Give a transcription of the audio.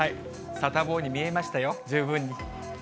サタボーに見えましたよ、十分に。